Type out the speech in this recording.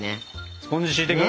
スポンジ敷いていく？